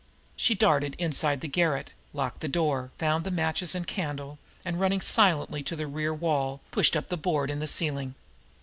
She darted inside the garret, locked the door, found the matches and candle, and, running silently to the rear wall, pushed up the board in the ceiling.